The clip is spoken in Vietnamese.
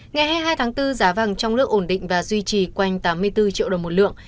ngày hai mươi hai tháng bốn giá vàng trong nước ổn định và duy trì quanh tám mươi bốn triệu đồng một lượng